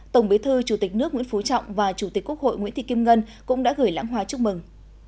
tổng bí thư chủ tịch nước nguyễn phú trọng và chủ tịch quốc hội nguyễn thị kim ngân cũng đã gửi lãng hoa chúc mừng